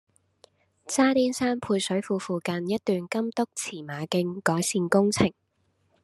渣甸山配水庫附近一段金督馳馬徑改善工程